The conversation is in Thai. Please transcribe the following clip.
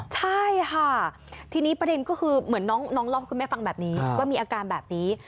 ใช่ค่ะทีนี้ประเด็นก็คือเหมือนน้องเล่าให้คุณแม่ฟังแบบนี้ว่ามีอาการแบบนี้